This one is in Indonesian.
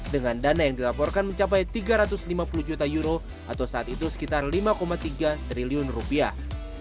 dengan dana yang dilaporkan mencapai tiga ratus lima puluh juta euro atau saat itu sekitar lima tiga triliun rupiah